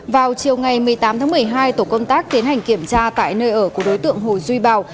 vào chiều ngày một mươi tám tháng một mươi hai tổ công tác tiến hành kiểm tra tại nơi ở của đối tượng hồ duy bảo